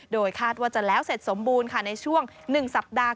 โดยคาดว่าจะแล้วเสร็จสมบูรณ์ค่ะในช่วง๑สัปดาห์